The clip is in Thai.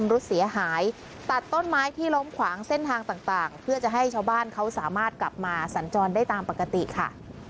รถเสียหายตัดต้นไม้ที่ล้มขวางเส้นทางต่างเพื่อจะให้ชาวบ้านเขาสามารถกลับมาสัญจรได้ตามปกติค่ะ